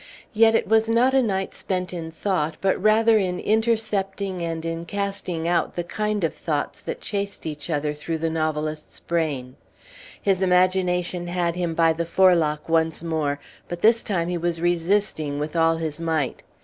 Yet it was not a night spent in thought, but rather in intercepting and in casting out the kind of thoughts that chased each other through the novelist's brain. His imagination had him by the forelock once more, but this time he was resisting with all his might.